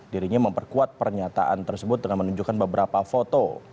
dirinya memperkuat pernyataan tersebut dengan menunjukkan beberapa foto